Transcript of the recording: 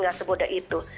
enggak semudah itu